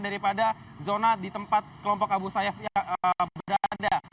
daripada zona di tempat kelompok abu sayyaf yang berada